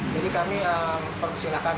jadi kami perlu silakan